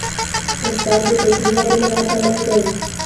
استاد د فکري ودې ملاتړی دی.